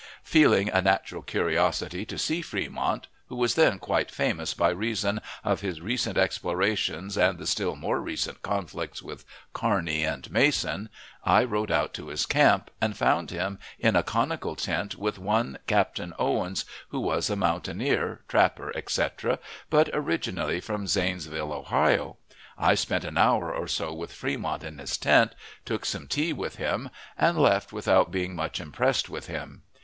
Feeling a natural curiosity to see Fremont, who was then quite famous by reason of his recent explorations and the still more recent conflicts with Kearney and Mason, I rode out to his camp, and found him in a conical tent with one Captain Owens, who was a mountaineer, trapper, etc., but originally from Zanesville, Ohio. I spent an hour or so with Fremont in his tent, took some tea with him, and left, without being much impressed with him.